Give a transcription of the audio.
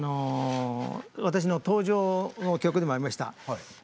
私の登場曲にもなりました。